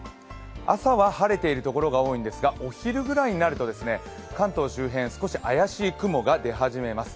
朝は晴れているところが多いんですが、お昼ぐらいになると、関東周辺、少し怪しい雲が出始めます。